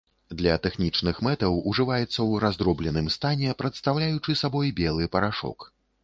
Для тэхнічных мэтаў ўжываецца ў раздробленым стане, прадстаўляючы сабой белы парашок.